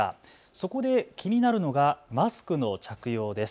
そこで気になるのがマスクの着用です。